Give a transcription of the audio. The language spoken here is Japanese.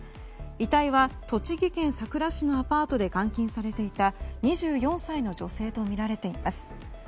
遺体は栃木県さくら市のアパートで監禁されていた２４歳の女性とみられています。